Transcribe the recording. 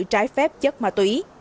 trái phép chất ma túy